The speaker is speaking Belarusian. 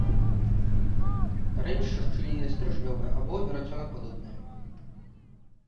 Карэнішча шчыльнае, стрыжнёвае або верацёнападобнае.